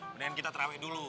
mendingan kita terawih dulu